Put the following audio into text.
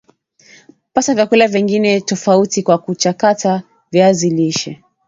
pata vyakula vingine tofauti kwa kuchakata viazi lishe